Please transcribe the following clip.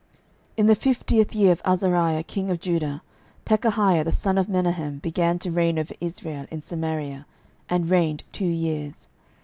12:015:023 In the fiftieth year of Azariah king of Judah Pekahiah the son of Menahem began to reign over Israel in Samaria, and reigned two years.